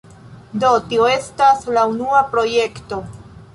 Do, tio estas la unua projekto